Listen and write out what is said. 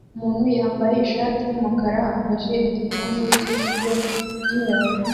Umuntu wambaye ishati yumukara afashe igikombe cyibiryo byinyoni